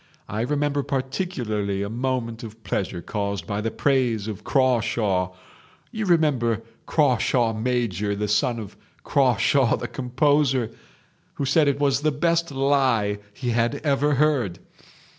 I remember particularly a moment of pleasure caused by the praise of Crawshaw—you remember Crawshaw major, the son of Crawshaw the composer?—who said it was the best lie he had ever heard.